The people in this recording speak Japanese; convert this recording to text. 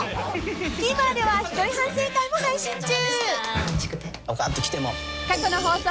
［ＴＶｅｒでは一人反省会も配信中］